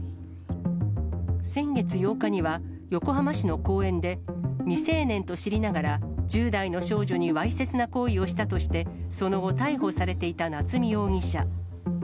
先月８日には横浜市の公園で、未成年と知りながら１０代の少女にわいせつな行為をしたとして、その後逮捕されていた夏見容疑者。